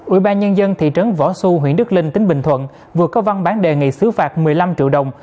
ủy ban nhân dân thị trấn võ xu huyện đức linh tỉnh bình thuận vừa có văn bản đề nghị xứ phạt một mươi năm triệu đồng